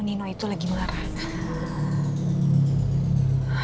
nino itu lagi marah